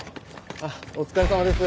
あっお疲れさまです。